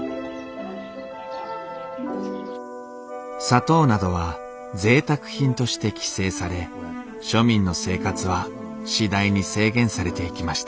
砂糖などはぜいたく品として規制され庶民の生活は次第に制限されていきました